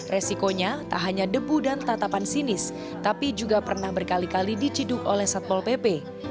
resikonya tak hanya debu dan tatapan sinis tapi juga pernah berkali kali diciduk oleh satpol pp